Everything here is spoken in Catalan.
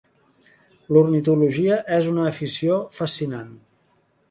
L'ornitologia és una afició fascinant.